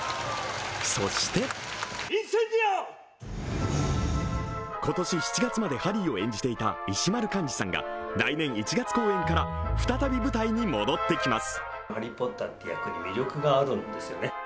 そして、今年７月までハリーを演じていた石丸幹二さんが来年１月公演から再び舞台に戻ってきます。